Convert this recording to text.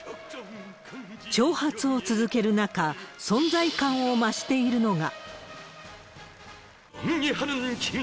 挑発を続ける中、存在感を増しているのが。